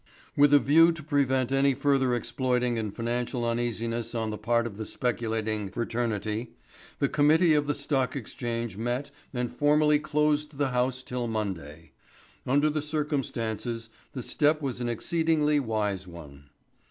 With a view to prevent any further exploiting and financial uneasiness on the part of the speculating fraternity, the committee of the Stock Exchange met and formally closed the House till Monday. Under the circumstances the step was an exceedingly wise one.